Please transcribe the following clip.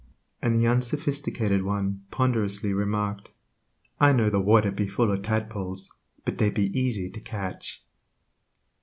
And the unsophisticated one ponderously remarked, "I know the water be full o' tadpoles, but they be easy to catch."